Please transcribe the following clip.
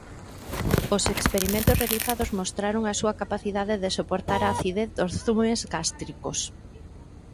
Os experimentos realizados mostraron a súa capacidade de soportar a acidez dos zumes gástricos.